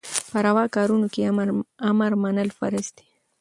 په رواکارونو کي يي امر منل فرض دي